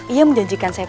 ia menjanjikan saya kembali